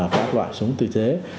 các loại súng tự chế